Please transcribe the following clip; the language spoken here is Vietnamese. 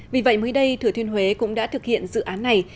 vì vậy mới đây thừa thiên huế cũng đã thực hiện dự án này